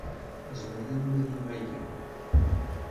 Nezmer ad nwali aya.